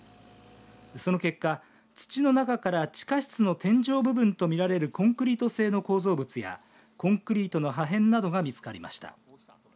その結果、土の中から地下室の天井部分と見られるコンクリート製の構造物やコンクリートの破片などが見つかりました。